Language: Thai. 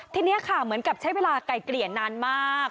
ทีนี้ค่ะเหมือนกับใช้เวลาไกลเกลี่ยนานมาก